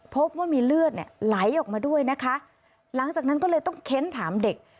พบว่ามีเลือดเนี่ยไหลออกมาด้วยนะคะหลังจากนั้นก็เลยต้องเค้นถามเด็ก